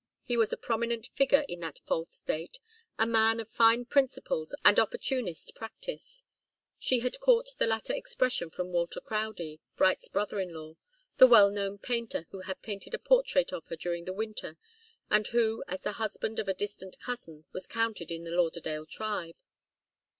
He was a prominent figure in that false state a man of fine principles and opportunist practice she had caught the latter expression from Walter Crowdie, Bright's brother in law, the well known painter, who had painted a portrait of her during the winter, and who, as the husband of a distant cousin, was counted in the Lauderdale tribe.